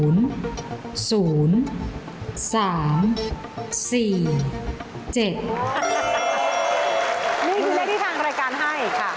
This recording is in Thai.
นี่คือเลขที่ทางรายการให้ค่ะ